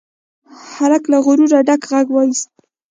هلک له غروره ډک غږ واېست.